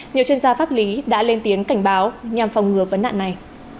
nhiều chuyên gia pháp lý đã lên tiếng cảnh báo nhằm phòng ngừa vấn nạn này